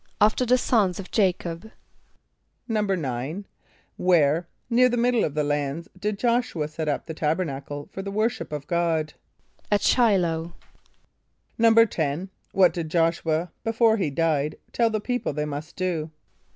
=After the sons of J[=a]´cob.= =9.= Where, near the middle of the lands, did J[)o]sh´u [.a] set up the Tabernacle for the worship of God? =At Sh[=i]´l[=o]h.= =10.= What did J[)o]sh´u [.a], before he died, tell the people they must do?